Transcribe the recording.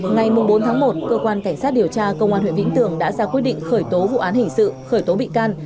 ngày bốn tháng một cơ quan cảnh sát điều tra công an huyện vĩnh tường đã ra quyết định khởi tố vụ án hình sự khởi tố bị can